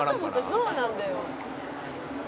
「そうなんだよ」